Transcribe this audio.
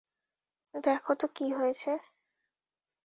দেখোতো কি হয়েছে!